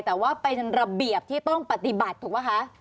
แต่ว่าเป็นระเบียบที่ต้องปฏิบัติถูกป่ะคะ